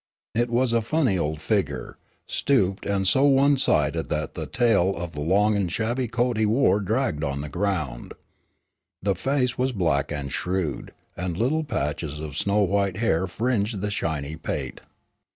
It was a funny old figure, stooped and so one sided that the tail of the long and shabby coat he wore dragged on the ground. The face was black and shrewd, and little patches of snow white hair fringed the shiny pate.